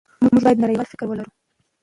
موږ باید نړیوال فکر ولرو.